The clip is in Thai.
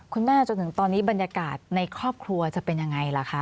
จนถึงตอนนี้บรรยากาศในครอบครัวจะเป็นยังไงล่ะคะ